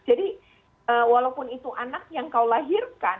jadi walaupun itu anak yang kau lahirkan